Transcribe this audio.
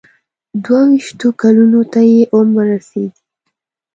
دوه ویشتو کلونو ته یې عمر رسېدی.